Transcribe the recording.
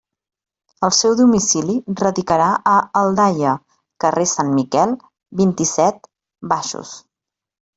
El seu domicili radicarà a Aldaia, carrer Sant Miquel, vint-i-set, baixos.